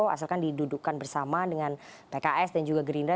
asalkan didudukkan bersama dengan pks dan juga gerindra